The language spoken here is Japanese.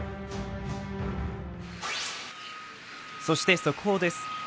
そして速報です。